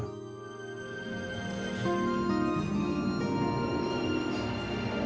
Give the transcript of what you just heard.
ketika terima kasih pak